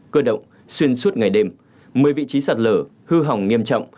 cơ động xuyên suốt ngày đêm một mươi vị trí sạt lở hư hỏng nghiêm trọng